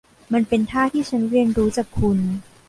มันเป็นท่าที่ฉันเรียนรู้จากคุณ